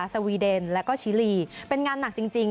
สวีเดนแล้วก็ชิลีเป็นงานหนักจริง